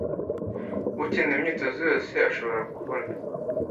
akeneye imyitozo yose ashobora kubona.